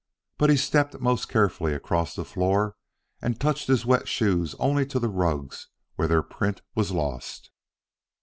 But he stepped most carefully across the floor and touched his wet shoes only to the rugs where their print was lost.